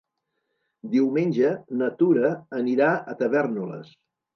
Diumenge na Tura anirà a Tavèrnoles.